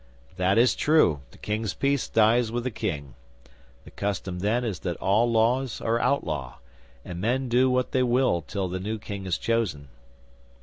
'That is true. The King's peace dies with the King. The custom then is that all laws are outlaw, and men do what they will till the new King is chosen.